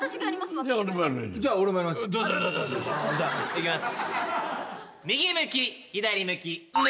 いきます。